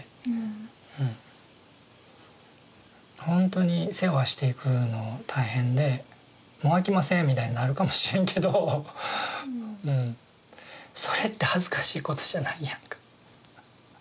ほんとに世話していくの大変でもうあきませんみたいになるかもしれんけどそれって恥ずかしいことじゃないやんか。